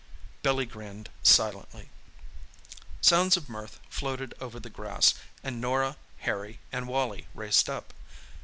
Billy grinned silently. Sounds of mirth floated over the grass, and Norah, Harry and Wally raced up.